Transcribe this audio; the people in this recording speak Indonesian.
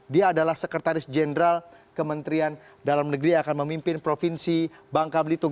dia adalah sekretaris jenderal kementerian dalam negeri yang akan memimpin provinsi bangka belitung